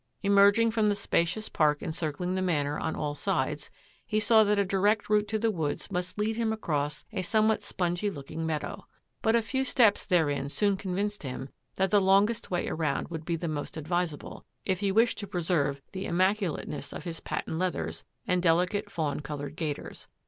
Emerging from the spacious park encircling the Manor on all sides, he saw that a direct route to the woods must lead him across a somewhat spongy looking meadow. But a few steps therein soon convinced him that the longest way around would be the most advisable, if he wished to preserve the im maculateness of his patent leathers and delicate fawn coloured gaiters.